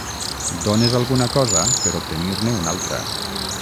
Dónes alguna cosa per obtenir-ne una altra.